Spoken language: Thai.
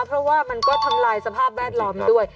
เพราะว่ามันก็ทำลายสภาพแวดล้อมด้วย